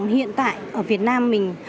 hiện tại ở việt nam mình